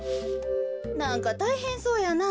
なんかたいへんそうやなあ。